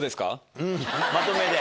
まとめで。